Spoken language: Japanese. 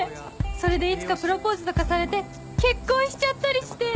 それでいつかプロポーズとかされて結婚しちゃったりして！